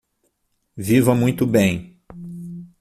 Viva muito bem